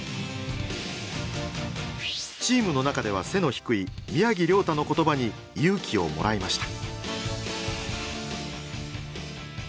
チームの中では背の低い宮城リョータの言葉に勇気をもらいました。